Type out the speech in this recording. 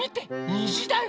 にじだよ。